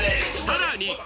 さらに